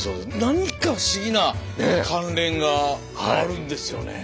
何か不思議な関連があるんですよね。